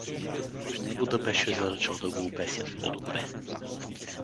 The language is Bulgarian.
Ти него да беше заръчал да го обесят, по-добре.